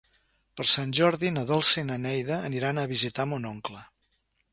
Per Sant Jordi na Dolça i na Neida aniran a visitar mon oncle.